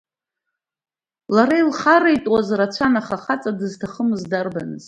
Лара илхареитәуаз рацәан, аха хаҵа дызҭахымыз дарбаныз.